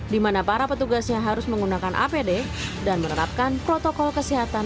di mana para petugasnya harus menggunakan apd dan menerapkan protokol kesehatan